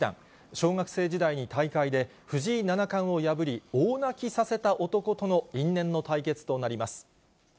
小学生時代に大会で藤井七冠を破り、大泣きさせた男との因縁の対決となります。